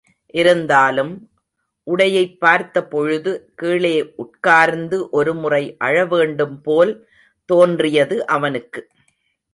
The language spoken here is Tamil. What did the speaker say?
இருந்தாலும், உடையைப் பார்த்த பொழுது, கீழே உட்கார்ந்து ஒரு முறை அழ வேண்டும் போல் தோன்றியது அவனுக்கு.